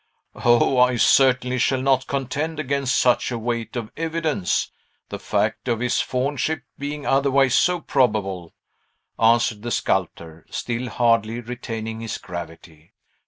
"O, I certainly shall not contend against such a weight of evidence, the fact of his faunship being otherwise so probable," answered the sculptor, still hardly retaining his gravity.